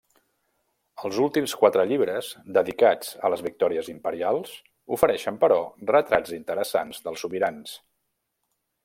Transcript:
Els últims quatre llibres, dedicats a les victòries imperials, ofereixen, però, retrats interessants dels sobirans.